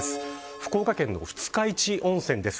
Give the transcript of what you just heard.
福岡県の二日市温泉です。